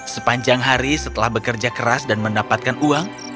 sepanjang hari setelah mereka berdua berada di dalam gua